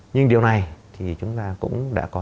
nhưng điều này thì chúng ta cũng đã có